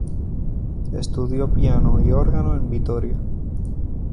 Estudió piano y órgano en Vitoria.